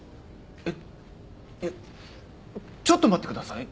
えちょっと待ってください。